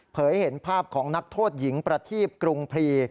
เห็นภาพของนักโทษหญิงประทีบกรุงพรี